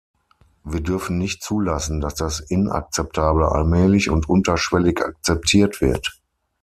Wir dürfen nicht zulassen, dass das Inakzeptable allmählich und unterschwellig akzeptiert wird!